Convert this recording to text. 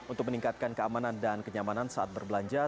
untuk meningkatkan keamanan dan kenyamanan saat berbelanja